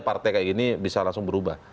partai seperti ini bisa langsung berubah